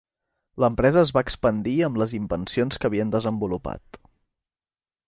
L'empresa es va expandir amb les invencions que havien desenvolupat.